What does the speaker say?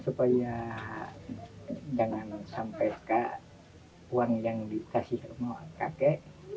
supaya jangan sampai ke uang yang dikasih rumah kakek